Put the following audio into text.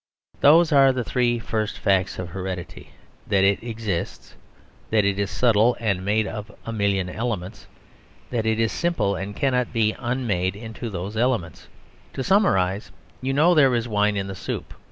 Those are the three first facts of heredity. That it exists; that it is subtle and made of a million elements; that it is simple, and cannot be unmade into those elements. To summarise: you know there is wine in the soup.